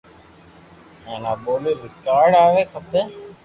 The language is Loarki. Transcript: ھين آ ٻولي رآڪارذ ۔ آوي کپي